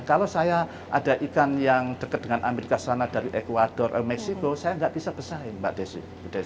kalau saya ada ikan yang dekat dengan amerika sana dari ecuador meksiko saya nggak bisa besarin mbak desi